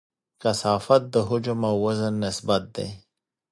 کثافت د حجم او وزن نسبت دی.